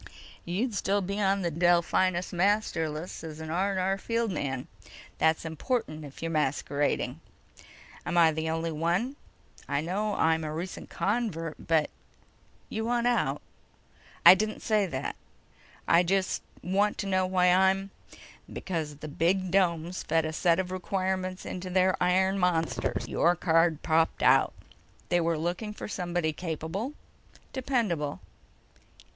"You'd still be on the Delphinus master lists as an R&R field man. That's important if you're masquerading." "Am I the only one? I know I'm a recent convert, but—" "You want out?" "I didn't say that. I just want to know why I'm—" "Because the bigdomes fed a set of requirements into one of their iron monsters. Your card popped out. They were looking for somebody capable, dependable